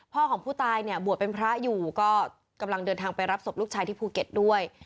ของผู้ตายเนี่ยบวชเป็นพระอยู่ก็กำลังเดินทางไปรับศพลูกชายที่ภูเก็ตด้วย